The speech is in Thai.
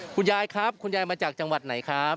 คุณยายครับคุณยายมาจากจังหวัดไหนครับ